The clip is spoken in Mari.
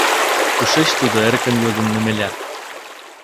— Кушеч тудо? — эркын йодо Немеля.